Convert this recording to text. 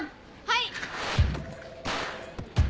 はい。